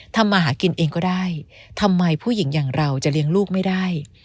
ทำมาหากินเองก็ได้ทำไมผู้หญิงอย่างเราจะเลี้ยงลูกไม่ได้